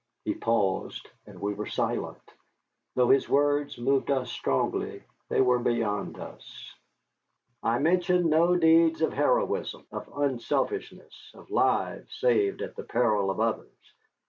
He paused, and we were silent. Though his words moved us strongly, they were beyond us. "I mention no deeds of heroism, of unselfishness, of lives saved at the peril of others.